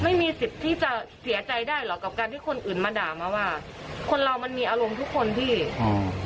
ไม่มีสิทธิ์ที่จะเสียใจได้หรอกกับการที่คนอื่นมาด่ามาว่าคนเรามันมีอารมณ์ทุกคนพี่อืม